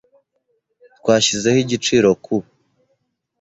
Twashyizeho igiciro ku .